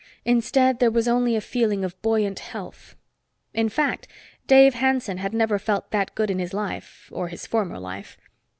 Instead, there was only a feeling of buoyant health. In fact, Dave Hanson had never felt that good in his life or his former life.